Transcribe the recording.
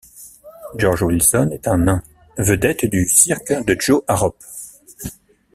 George Wilson est un nain, vedette du cirque de Joe Harrop.